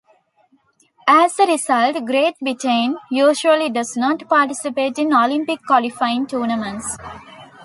As a result, Great Britain usually does not participate in Olympic qualifying tournaments.